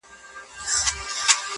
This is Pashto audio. • هرکلي ته مې جانان خندان را ووت ..